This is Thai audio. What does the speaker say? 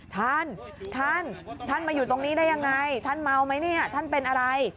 ท่านท่านมาอยู่ตรงนี้ได้ยังไงท่านเมาไหมเนี่ยท่านเป็นอะไร